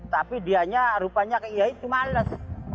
tapi dianya rupanya kayak ya itu males